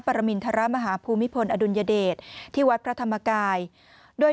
ประมินธรมหาภูมิพลอดุนยเดตที่วัดพระธมกายโดย